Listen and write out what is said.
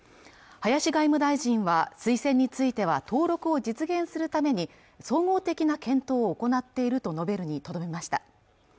林外務大臣は推薦については登録を実現するために総合的な検討を行っていると述べるにとどめました